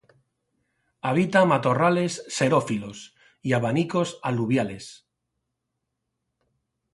Habita matorrales xerófilos y abanicos aluviales.